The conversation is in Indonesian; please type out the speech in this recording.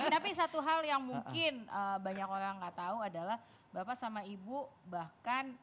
tapi satu hal yang mungkin banyak orang nggak tahu adalah bapak sama ibu bahkan